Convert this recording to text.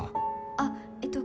あっえっと